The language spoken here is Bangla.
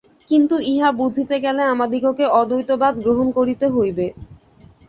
কিন্তু ইহা বুঝিতে গেলে আমাদিগকে অদ্বৈতবাদ গ্রহণ করিতে হইবে।